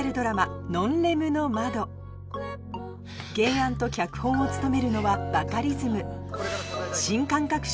原案と脚本を務めるのはバカリズム